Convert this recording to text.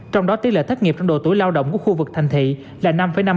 trong đó tỷ lệ thất nghiệp trong độ tuổi lao động của khu vực thành thị là năm năm